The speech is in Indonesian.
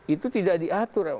itu tidak diatur